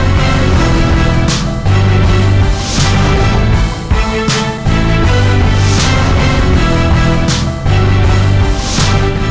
เกมต่อชีวิต